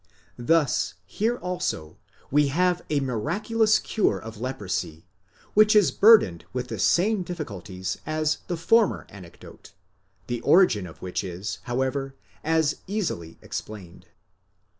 Thus here also we 'have a miraculous cure of leprosy, which is burdened with the same difficulties as the former anecdote ; the origin of which is, however, as easily explained.